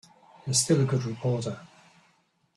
You're still a good reporter.